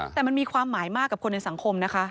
แต่มันมีความหมายมากกับคนในสังคมนะคะ